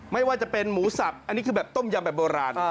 ไม่ว่าจะเป็นหมูสับอันนี้คือแบบต้มยำแบบโบราณ